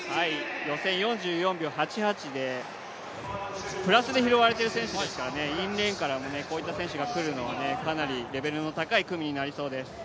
予選４４秒８８でプラスで拾われている選手ですからね、インレーンからもこういった選手がくるので、かなりレベルの高い組になりそうです。